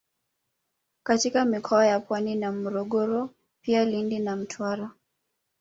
katika mikoa ya Pwani na Morogoro pia Lindi na Mtwara